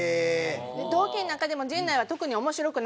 同期の中でも陣内は特に面白くなかったんで。